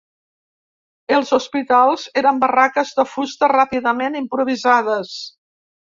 Els hospitals eren barraques de fusta ràpidament improvisades